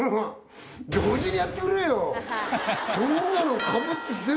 そんなの。